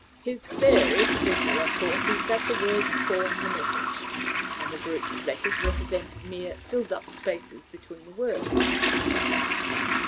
"His theory provisionally, of course is that the words form the message, and the groups of letters represent mere filled up spaces between the words."